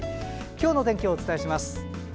今日の天気をお伝えします。